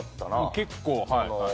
結構はい。